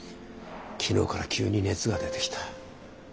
昨日から急に熱が出てきた。